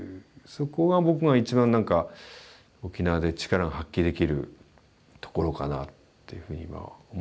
そこが僕が一番沖縄で力が発揮できるところかなっていうふうに今は思ってますね。